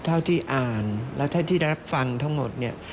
เท่าที่อ่านและที่ได้รับฟังทั้งหมด